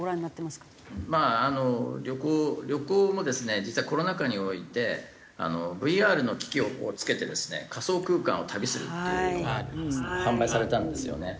まああの旅行旅行もですね実はコロナ禍においてＶＲの機器を着けてですね仮想空間を旅するっていうのが販売されたんですよね。